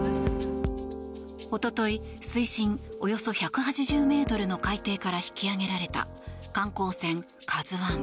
一昨日、水深およそ１８２ｍの海底から引き揚げられた観光船「ＫＡＺＵ１」。